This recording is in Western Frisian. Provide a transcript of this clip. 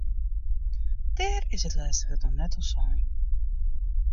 Dêr is it lêste wurd noch net oer sein.